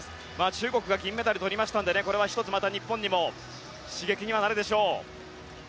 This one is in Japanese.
中国が銀メダルを取りましたのでこれは一つまた日本にも刺激にはなるでしょう。